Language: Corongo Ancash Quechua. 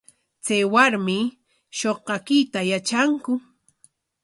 ¿Chay warmi shuqakuyta yatranku?